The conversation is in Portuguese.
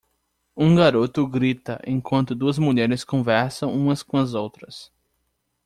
Um garoto grita enquanto duas mulheres conversam umas com as outras.